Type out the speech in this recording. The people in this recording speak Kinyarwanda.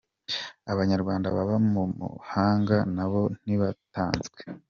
Abanyarwanda baba mu mahanga na bo ntibatanzwe.